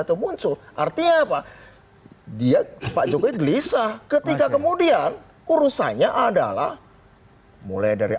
itu muncul artinya apa dia pak jokowi gelisah ketika kemudian urusannya adalah mulai dari